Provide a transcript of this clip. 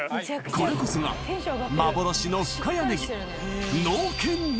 これこそが幻の深谷ねぎ